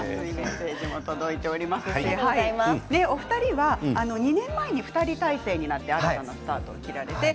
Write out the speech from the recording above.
お二人は２年前に２人体制になりまして新たなスタートを切られました。